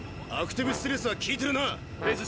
アクティブ・ステルスはきいてるな？